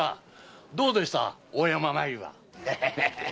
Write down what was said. どうでした大山参りは？